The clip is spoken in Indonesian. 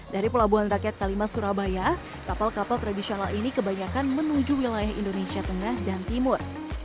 dari pelabuhan rakyat kalimah surabaya kapal kapal tradisional ini kebanyakan menuju wilayah indonesia tengah dan timur